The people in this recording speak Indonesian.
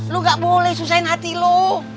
lu gak boleh susahin hati lo